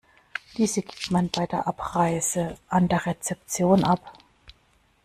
Diese gibt man bei der Abreise an der Rezeption ab.